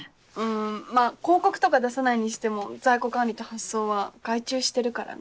んまぁ広告とか出さないにしても在庫管理と発送は外注してるからね。